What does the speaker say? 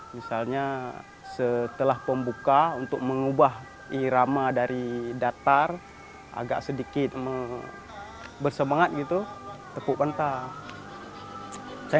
misalnya setelah pembuka untuk mengubah irama dari datar agak sedikit bersemangat gitu tepuk kentang